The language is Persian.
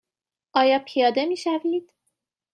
آیا پیاده می شوید؟